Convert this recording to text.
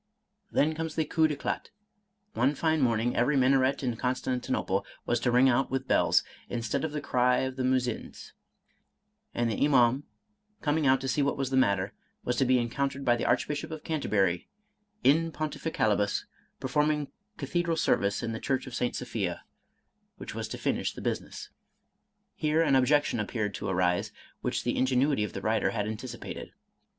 Then comes the coup cTeclat, — one fine morning^, every minaret in Constantinople was to ring out with bells,, instead of the cry of the Muezzins; and the Imaum, com ing out to see what was the matter, was to be encountered by the Archbishop of Canterbury, in pontificalibus, perform ing Cathedral service in the church of St. Sophia, which was to finish the business. Here an objection appeared to arise, which the ingenuity of the writer had anticipated.